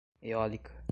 Eólica